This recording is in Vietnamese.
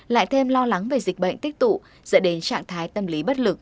lại thêm lo lắng về dịch bệnh tích tụ dẫn đến trạng thái tâm lý bất lực